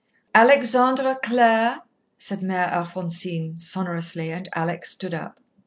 "Alexandra Clare," said Mère Alphonsine sonorously, and Alex stood up.